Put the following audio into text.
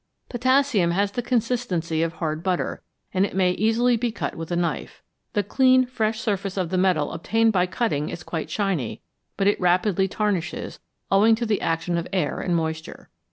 Potassium has the consistency of hard butter, and it may easily be cut with a knife ; the clean, fresh surface of the metal obtained by cutting is quite shiny, but it rapidly tarnishes, owing to the action of air and moisture.